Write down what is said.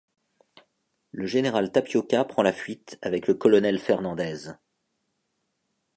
Le général Tapioca prend la fuite avec le colonel Fernandez.